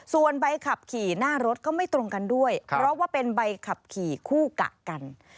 ส่วนใบขับขี่หน้ารถก็ไม่ตรงกันด้วยเพราะว่าเป็นใบขับขี่คู่กะกัน